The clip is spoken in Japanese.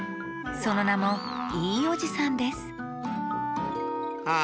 そのなも「いいおじさん」ですあ